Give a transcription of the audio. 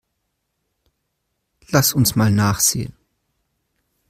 Lass uns mal nachsehen.